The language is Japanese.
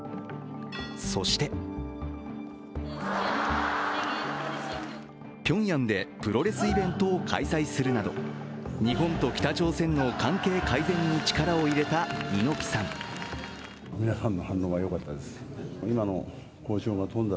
そしてピョンヤンでプロレスイベントを開催するなど、日本と北朝鮮の関係改善に力を入れた猪木さん。